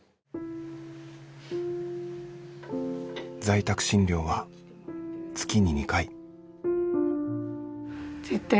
在宅診療は月に２回。